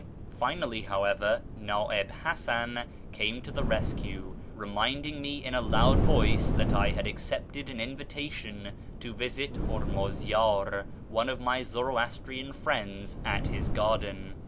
Finally, however, Na'ib Hasan came to the rescue, reminding me in a loud voice that I had accepted an invitation to visit Hurmuzyar, one of my Zoroastrian friends, at his garden.